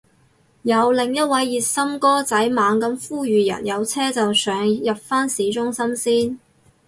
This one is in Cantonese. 有另一位熱心哥仔猛咁呼籲人有車就上，入返市中心先